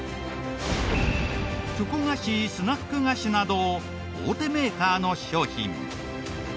チョコ菓子スナック菓子など大手メーカーの商品。